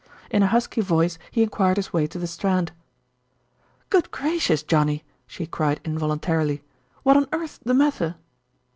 In a husky voice he enquired his way to the Strand. "Good gracious, Johnnie!" she cried involuntarily. "What on earth's the matter?"